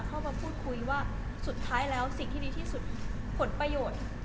เข้ามาพูดคุยว่าสุดท้ายแล้วสิ่งที่ดีที่สุดผลประโยชน์